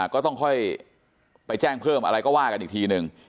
ก็ต้องค่อยไปแจ้งเพิ่มอะไรก็ว่ากันอีกทีหนึ่ง